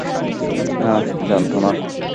না, জানতো না।